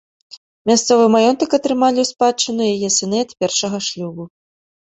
Мясцовы маёнтка атрымалі ў спадчыну яе сыны ад першага шлюбу.